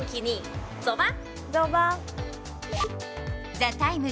「ＴＨＥＴＩＭＥ，」